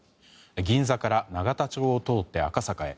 銀座から永田町を通って赤坂へ。